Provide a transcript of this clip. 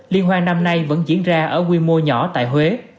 liên hoan năm nay vẫn diễn ra ở quy mô nhỏ tại huế